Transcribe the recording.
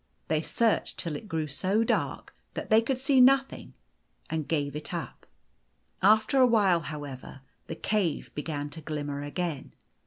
They searched till it grew so dark that they could see nothing, and gave it up. After a while, however, the cave began to glimmer again.